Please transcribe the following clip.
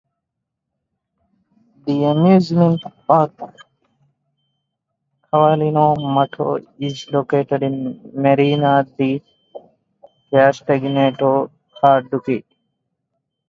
The amusement park Cavallino Matto is located in Marina di Castagneto Carducci.